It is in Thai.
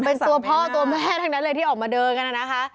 เป็นตัวพ่อตัวแม่ทั้งนั้นเลยที่ออกมาเดินกันนะคะ